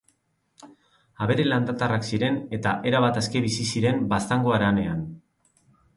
Abere landatarrak ziren eta erabat aske bizi ziren Baztango haranean.